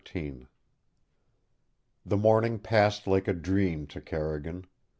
XIII The morning passed like a dream to Carrigan.